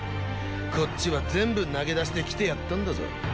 こっちは全部投げ出して来てやったんだぞ。